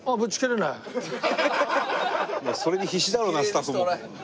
それに必死だろうなスタッフも。